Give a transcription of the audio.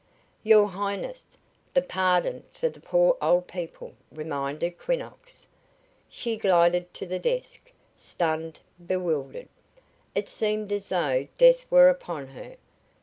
"Your Highness, the pardon for the poor old people," reminded Quinnox. She glided to the desk, stunned, bewildered. It seemed as though death were upon her.